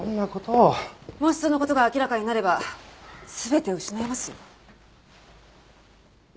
もしその事が明らかになれば全てを失いますよ。